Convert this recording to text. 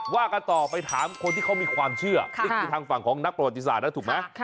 ว่ากันต่อไปถามคนที่เขามีความเชื่อนี่คือทางฝั่งของนักประวัติศาสตร์นะถูกไหม